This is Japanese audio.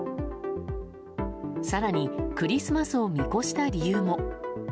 更にクリスマスを見越した理由も。